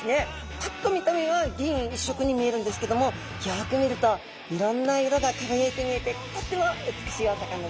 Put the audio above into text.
パッと見た目は銀一色に見えるんですけどもよく見るといろんな色が輝いて見えてとっても美しいお魚ですね。